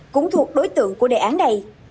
cũng thuộc đối tượng của đề án này